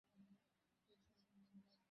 তাঁহাদের মতে এরূপ করা কখনই উচিত নহে।